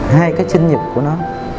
hai cái sinh nhật của nó